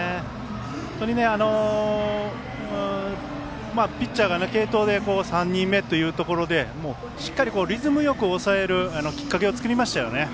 本当に、ピッチャーが継投で３人目というところでしっかりリズムを抑えるきっかけを作りましたよね。